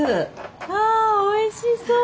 わおいしそう！